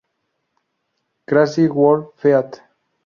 Crazy World feat.